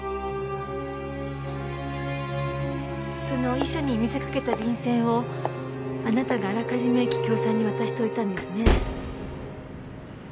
その遺書に見せかけた便箋をあなたがあらかじめ桔梗さんに渡しておいたんですね。